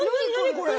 これ。